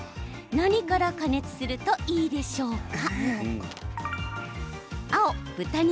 何から加熱するといいでしょうか？